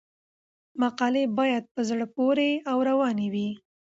مقالې باید په زړه پورې او روانې وي.